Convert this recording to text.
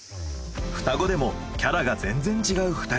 双子でもキャラが全然違う２人。